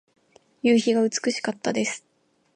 夕日が美しかったです。